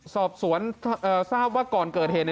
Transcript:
สอบสวนทราบว่าก่อนเกิดเหตุ